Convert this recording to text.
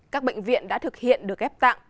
các bệnh viện đã thực hiện được ghép tạng